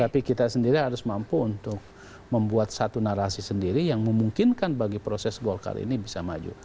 tapi kita sendiri harus mampu untuk membuat satu narasi sendiri yang memungkinkan bagi proses golkar ini bisa maju